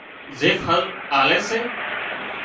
زي ڦل آلي سي